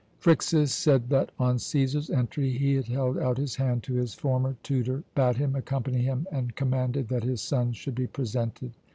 "Phryxus said that on Cæsar's entry he had held out his hand to his former tutor, bade him accompany him, and commanded that his sons should be presented.